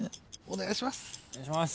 お願いします。